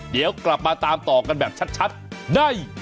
เดี๋ยวกลับมาตามต่อกันแบบชัดใน